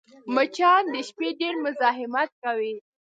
مچان د شپې ډېر مزاحمت کوي